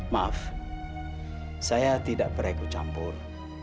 maaf saya tidak bereguk campur